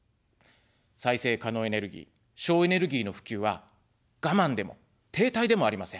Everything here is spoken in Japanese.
再生可能エネルギー、省エネルギーの普及は我慢でも停滞でもありません。